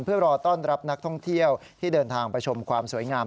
เพื่อรอต้อนรับนักท่องเที่ยวที่เดินทางไปชมความสวยงาม